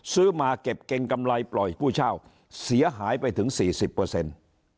ซื้อมาเก็บเกณฑ์กำไรปล่อยผู้ชาวเสียหายไปถึง๔๐เปอร์เซ็นต์